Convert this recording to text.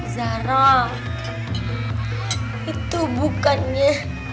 zara itu bukannya